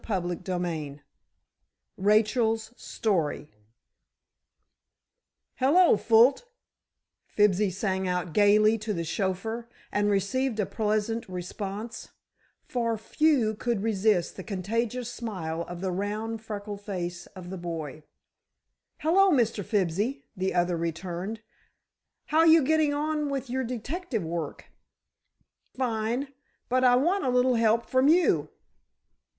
CHAPTER XIV RACHEL'S STORY "Hello, Fult," Fibsy sang out gaily to the chauffeur, and received a pleasant response, for few could resist the contagious smile of the round, freckled face of the boy. "Hello, Mr. Fibsy," the other returned, "how you getting on with your detective work?" "Fine; but I want a little help from you."